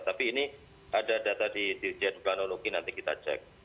tapi ini ada data di dirjen planologi nanti kita cek